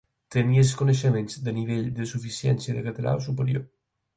Tenir els coneixements de nivell de suficiència de català o superior.